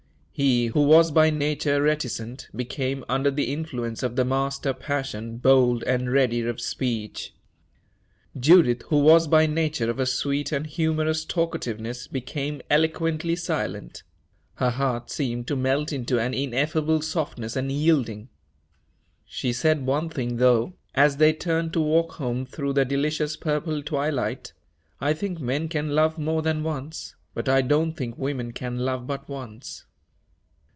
He, who was by nature reticent, became, under the influence of the master passion, bold and ready of speech. Judith, who was by nature of a sweet and humorous talkativeness, became eloquently silent her heart seemed to melt into an ineffable softness and yielding. She said one thing, though, as they turned to walk home through the delicious purple twilight: "I think men can love more than once; but I don't think women can love but once."